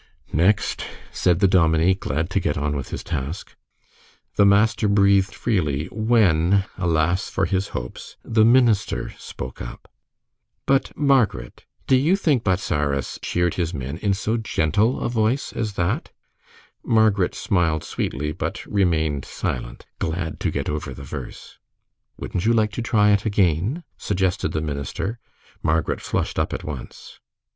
"Next," said the dominie, glad to get on with his task. The master breathed freely, when, alas for his hopes, the minister spoke up. "But, Margaret, do you think Bozzaris cheered his men in so gentle a voice as that?" Margaret smiled sweetly, but remained silent, glad to get over the verse. "Wouldn't you like to try it again?" suggested the minister. Margaret flushed up at once.